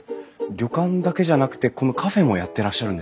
旅館だけじゃなくてこのカフェもやってらっしゃるんですね。